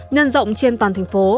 nhân rộng trên toàn thành phố